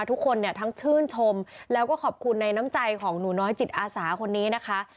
ทุกคนเนี่ยทั้งชื่นชมแล้วก็ขอบคุณในน้ำใจของหนูน้อยจิตอาสาคนนี้นะคะ